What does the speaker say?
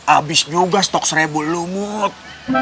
abis nyuga stok serebu lu mut